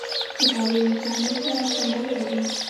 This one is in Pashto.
پکورې له صحنه سره خوندورې وي